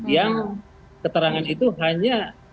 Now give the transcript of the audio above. yang keterangan itu hanya